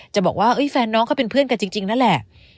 จะบอกว่าแฟนน้องเขาเป็นเพื่อนกันจริงนั่นแหละ